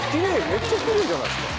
めっちゃきれいじゃないすか。